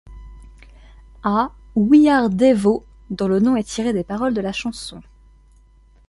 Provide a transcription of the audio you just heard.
A: We Are Devo!, dont le nom est tiré des paroles de la chanson.